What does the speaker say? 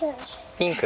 ピンク。